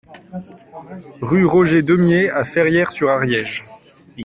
Rue Roger Deumié à Ferrières-sur-Ariège